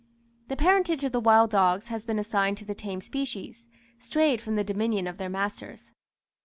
The parentage of the wild dogs has been assigned to the tame species, strayed from the dominion of their masters.